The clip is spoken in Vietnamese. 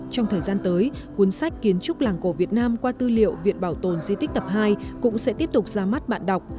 trong thời gian tới cuốn sách kiến trúc làng cổ việt nam qua tư liệu viện bảo tồn di tích tập hai cũng sẽ tiếp tục ra mắt bạn đọc